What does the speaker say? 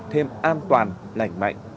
thêm an toàn lành mạnh